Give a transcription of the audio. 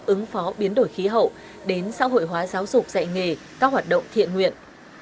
ứng phó biến đổi khí hậu đến xã hội hóa giáo dục dạy nghề các hoạt động thiện nguyện